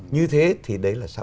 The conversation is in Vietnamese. như thế thì đấy là